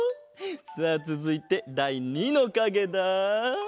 さあつづいてだい２のかげだ。